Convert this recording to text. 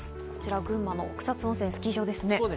こちら群馬の草津温泉スキー場ですね。